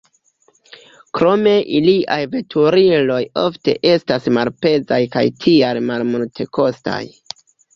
Krome iliaj veturiloj ofte estas malpezaj kaj tial malmultekostaj.